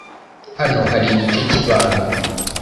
Hano hari igice cyibanga.